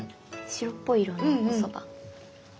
白っぽい色のおそば。